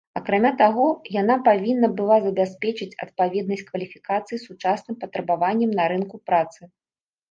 Акрамя таго, яна павінна была забяспечыць адпаведнасць кваліфікацый сучасным патрабаванням на рынку працы.